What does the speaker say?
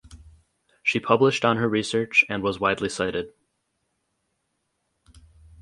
She published on her research and was widely cited.